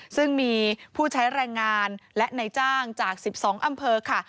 ซึ่งมีผู้ใช้แรงงานและในจ้างจาก๑๒อำเภอค่ะ